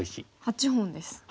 ８本です。